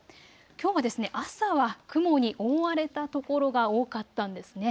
きょうは朝は雲に覆われたところが多かったんですね。